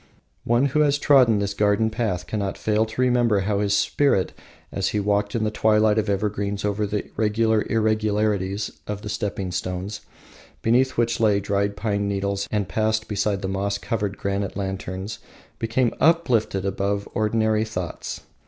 One who has trodden this garden path cannot fail to remember how his spirit, as he walked in the twilight of evergreens over the regular irregularities of the stepping stones, beneath which lay dried pine needles, and passed beside the moss covered granite lanterns, became uplifted above ordinary thoughts.